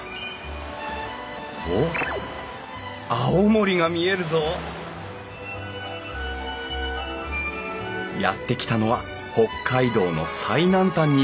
おっ青森が見えるぞやって来たのは北海道の最南端に位置する松前町。